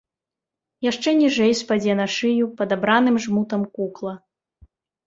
Яшчэ ніжэй спадзе на шыю падабраным жмутам кукла.